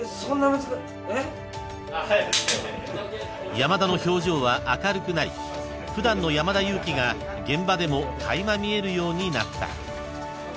［山田の表情は明るくなり普段の山田裕貴が現場でも垣間見えるようになった］